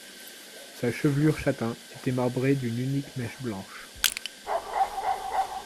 Sa chevelure châtain était marbrée d’une unique mèche blanche.